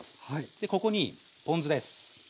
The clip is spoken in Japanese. でここにポン酢です。